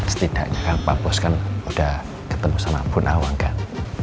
setidaknya pak pos kan udah ketemu sama bu nawang kan